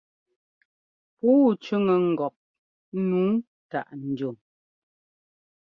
Pûu cʉ́ŋɛ ŋgɔp nǔu táʼ ndiɔn.